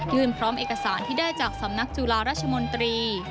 พร้อมเอกสารที่ได้จากสำนักจุฬาราชมนตรี